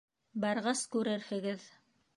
- Барғас, күрерһегеҙ.